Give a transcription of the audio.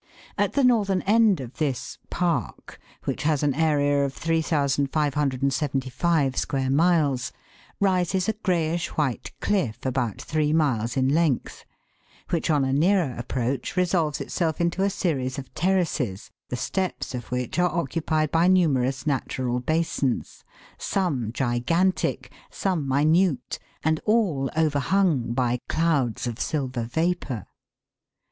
At the northern end of this "park" which has an area of 3,575 square miles, rises a greyish white cliff about three miles in length, which on a nearer approach resolves itself into a series of terraces, the steps of which are occupied by numerous natural basins, some gigantic, some minute, and all overhung by clouds of silver vapour.